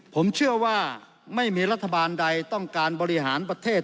ผมเชื่อว่าไม่มีรัฐบาลใดต้องการบริหารประเทศ